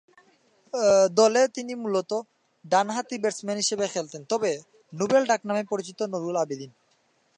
দলে তিনি মূলতঃ ডানহাতি ব্যাটসম্যান হিসেবে খেলতেন নোবেল ডাকনামে পরিচিত নূরুল আবেদীন।